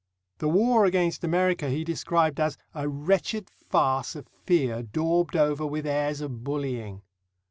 The war against America he described as "a wretched farce of fear daubed over with airs of bullying."